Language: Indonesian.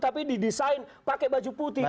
tapi didesain pakai baju putih